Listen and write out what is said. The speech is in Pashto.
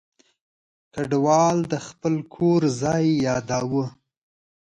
کډوال د خپل کور ځای یاداوه.